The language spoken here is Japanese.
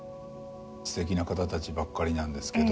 すてきな方たちばっかりなんですけど。